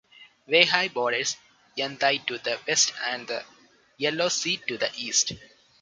Weihai borders Yantai to the west and the Yellow Sea to the east.